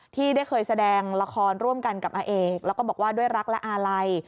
ที่ได้เคยแสดงละครร่วมกันกับอาเอกแล้วก็บอกว่าด้วยรักและอาลัย